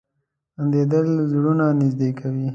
• خندېدل زړونه نږدې کوي.